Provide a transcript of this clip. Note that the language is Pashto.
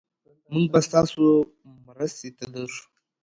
مونږ به ستاسو مرستې ته درشو.